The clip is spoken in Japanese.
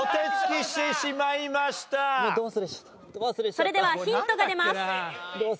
それではヒントが出ます。